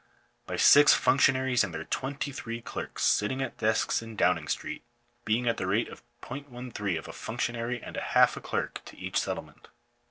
By six functionaries and their twenty three clerks, sitting at desks in Downing Street! being at the rate of 0*13 of a functionary and half a clerk to each settlement